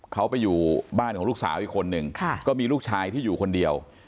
เขาไปอยู่บ้านของลูกสาวอีกคนนึงก็มีลูกชายที่อยู่คนเดียว